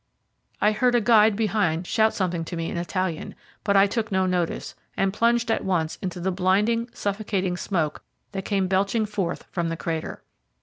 I heard a guide behind shout something to me in Italian, but I took no notice, and plunged at once into the blinding, suffocating smoke that came belching forth from the crater.